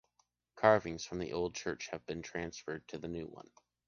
Carvings from the old church have been transferred to the new one.